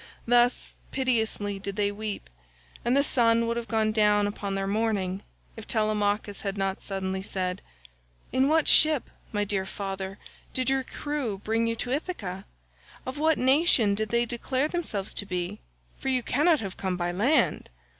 Thus piteously did they weep, and the sun would have gone down upon their mourning if Telemachus had not suddenly said, "In what ship, my dear father, did your crew bring you to Ithaca? Of what nation did they declare themselves to be—for you cannot have come by land?"